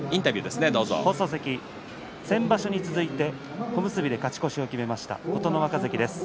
先場所に続いて小結で勝ち越しを決めました琴ノ若関です。